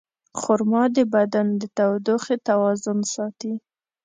خرما د بدن د تودوخې توازن ساتي.